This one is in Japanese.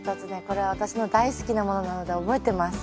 これは私の大好きなものなので覚えてます。